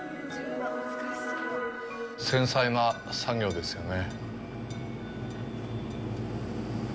繊細な作業ですよね。